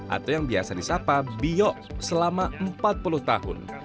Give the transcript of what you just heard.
atau yang biasa disapa biok selama empat puluh tahun